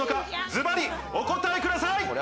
ズバリお答えください！